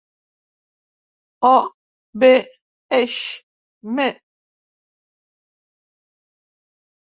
O, be, eix, me.